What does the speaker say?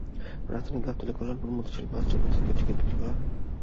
রাজধানীর Gabtali, Kalyanpur, Motijheel bus depot ticket টিকিট বিক্রি করা হবে।